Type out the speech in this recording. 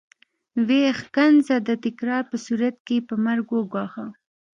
ويې ښکنځه د تکرار په صورت کې يې په مرګ وګواښه.